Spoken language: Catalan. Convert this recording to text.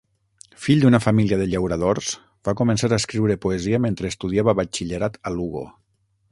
Fill d'una família de llauradors, va començar a escriure poesia mentre estudiava batxillerat a Lugo.